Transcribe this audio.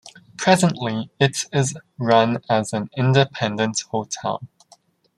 Presently it is run as an independent hotel.